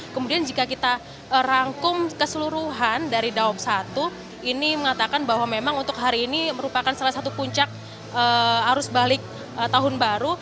kemudian jika kita rangkum keseluruhan dari daob satu ini mengatakan bahwa memang untuk hari ini merupakan salah satu puncak arus balik tahun baru